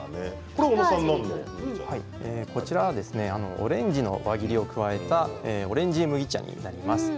オレンジの輪切りを加えたオレンジ麦茶になります。